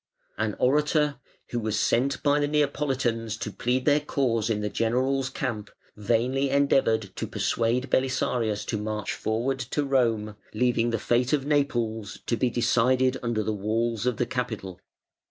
An orator, who was sent by the Neapolitans to plead their cause in the general's camp, vainly endeavoured to persuade Belisarius to march forward to Rome, leaving the fate of, Naples to be decided under the walls of the capital.